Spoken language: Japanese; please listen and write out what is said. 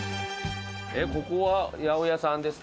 ここは八百屋さんですか？